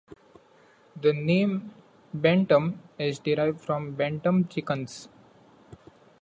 The name bantam is derived from bantam chickens.